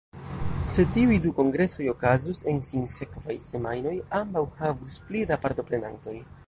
Se tiuj du kongresoj okazus en sinsekvaj semajnoj, ambaŭ havus pli da partoprenantoj.